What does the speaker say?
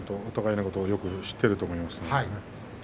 お互いのことをよく知っていると思います。